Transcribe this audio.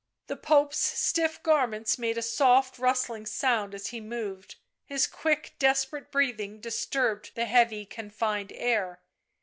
The Pope's stiff garments made a soft rustling sound as he moved ; his quick desperate breathing dis turbed the heavy confined air.